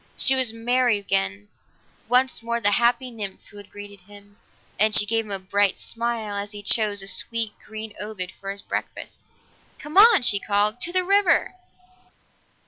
She was merry again, once more the happy nymph who had greeted him, and she gave him a bright smile as he chose a sweet green ovoid for his breakfast. "Come on!" she called. "To the river!"